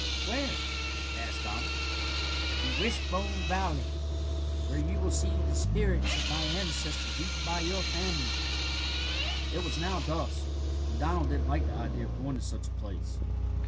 "Where?" asked Donald. "To Wishbone Valley, where you will see the spirits of my ancestors eaten by your family." It was now dusk, and Donald didn't like the idea of going to such a place.